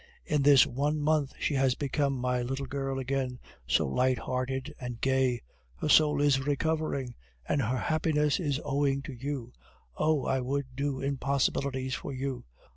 In this one month she has become my little girl again, so light hearted and gay. Her soul is recovering, and her happiness is owing to you! Oh! I would do impossibilities for you.